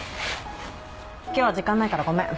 今日は時間ないからごめん。